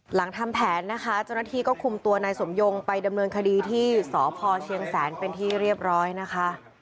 หลังทำแผนนะคะเจ้าหน้าที่ก็คุมตัวนายสมยงไปดำเนินคดีที่สพเชียงแสนเป็นที่เรียบร้อยนะคะ